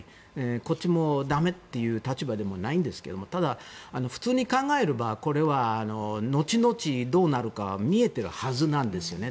こっちもだめという立場でもないんですがただ、普通に考えればこれは後々どうなるか見えてるはずなんですよね。